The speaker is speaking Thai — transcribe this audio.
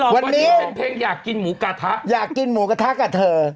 วันนี้เป็นเพลงอยากกินหมูกระทะอยากกินหมูกระทะกับเธอ